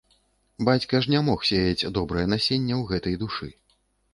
Бацька ж не мог сеяць добрае насенне ў гэтай душы.